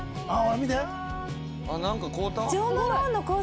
あっ！